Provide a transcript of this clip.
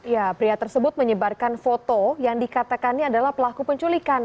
ya pria tersebut menyebarkan foto yang dikatakannya adalah pelaku penculikan